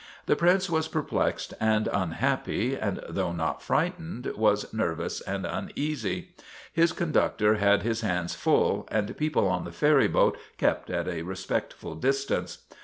The Prince was perplexed and unhappy, and though not frightened was nervous and uneasy. His con ductor had his hands full, and people on the ferry boat kept at a respectful distance.